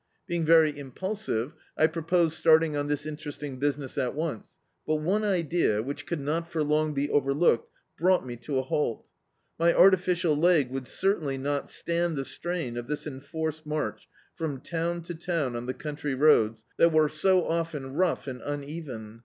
Being very impulsive, I pro* posed starting on this interesting business at once, but (Hie idea — which could not for long be over looked — brougjit me to a halt : my artificial leg would certainly not stand the strain of this enforced march from town to town on the country roads, that were so often rou^ and uneven.